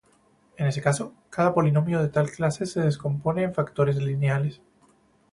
En ese caso, cada polinomio de tal clase se descompone en factores lineales.